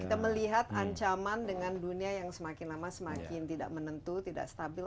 kita melihat ancaman dengan dunia yang semakin lama semakin tidak menentu tidak stabil